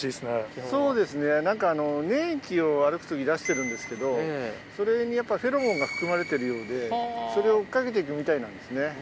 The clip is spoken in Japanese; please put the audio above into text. そうですね何か粘液を歩く時出してるんですけどそれにフェロモンが含まれてるようでそれを追っ掛けて行くみたいなんですね。